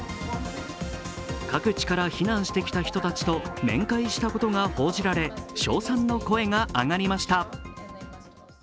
各地から避難してきた人たちと面会したことが報じられ称賛の声が上がりました。